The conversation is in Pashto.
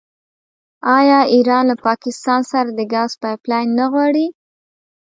آیا ایران له پاکستان سره د ګاز پایپ لاین نه غواړي؟